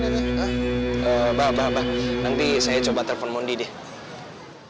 eh mbak mbak mbak nanti saya coba telepon mundi deh